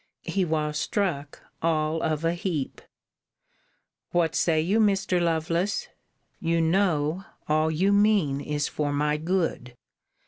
He was struck all of a heap. What say you, Mr. Lovelace? You know, all you mean is for my good.